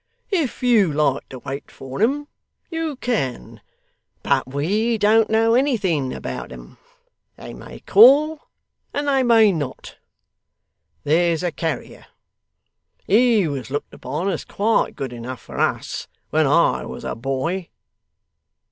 If you like to wait for 'em you can; but we don't know anything about 'em; they may call and they may not there's a carrier he was looked upon as quite good enough for us, when I was a boy.